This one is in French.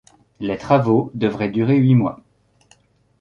Les travaux devraient durer huit mois.